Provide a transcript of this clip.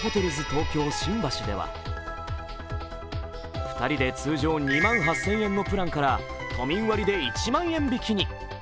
東京新橋では２人で通常２万８０００円のプランから都民割で１万円引きに。